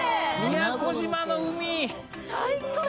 宮古島の海最高！